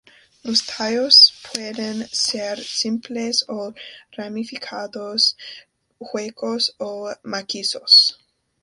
Los tallos pueden ser simples o ramificados, huecos o macizos.